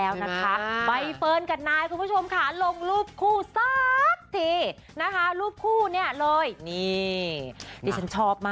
ว่าใครมีรูปคู่เกี่ยว